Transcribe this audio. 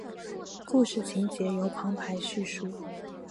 故事情节由旁白叙述。